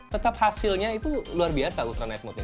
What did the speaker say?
tetap hasilnya itu luar biasa ultra night mode nya